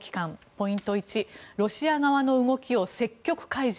ポイント１ロシア側の動きを積極開示。